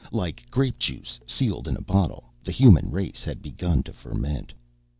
Like grape juice sealed in a bottle, the human race had begun to ferment.